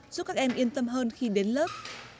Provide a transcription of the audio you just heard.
giúp các em yên tâm hơn khi đến lớp